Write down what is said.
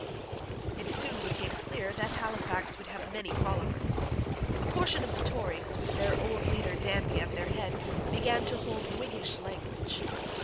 It soon became clear that Halifax would have many followers. A portion of the Tories, with their old leader, Danby, at their head, began to hold Whiggish language.